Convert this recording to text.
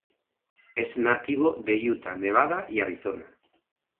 Es nativo de Utah, Nevada y Arizona.